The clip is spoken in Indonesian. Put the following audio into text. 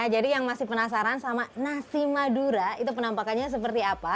jadi yang masih penasaran sama nasi madura itu penampakannya seperti apa